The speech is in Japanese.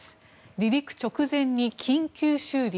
離陸直前に緊急修理？